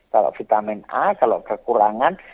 kalau vitamin a kalau kekurangan